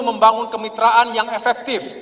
membangun kemitraan yang efektif